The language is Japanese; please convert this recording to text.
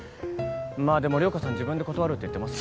まあでも涼子さん自分で断るって言ってますし。